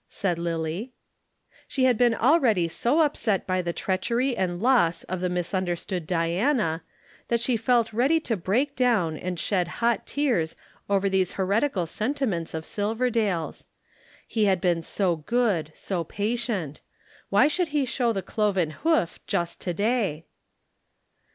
said Lillie. She had been already so upset by the treachery and loss of the misunderstood Diana, that she felt ready to break down and shed hot tears over these heretical sentiments of Silverdale's. He had been so good, so patient. Why should he show the cloven hoof just to day?